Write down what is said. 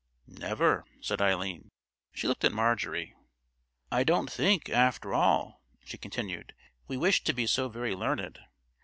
"Never," said Eileen. She looked at Marjorie. "I don't think, after all," she continued, "we wish to be so very learned.